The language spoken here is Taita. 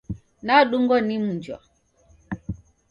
Nadungwa ni mnjwa